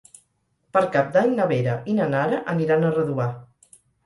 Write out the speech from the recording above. Per Cap d'Any na Vera i na Nara aniran a Redovà.